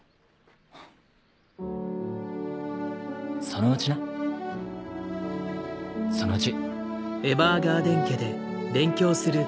そのうちなそのうち。